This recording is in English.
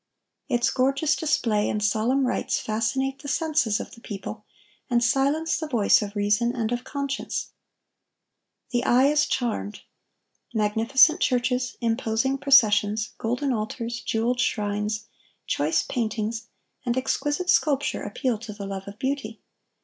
Its gorgeous display and solemn rites fascinate the senses of the people, and silence the voice of reason and of conscience. The eye is charmed. Magnificent churches, imposing processions, golden altars, jeweled shrines, choice paintings, and exquisite sculpture appeal to the love of beauty.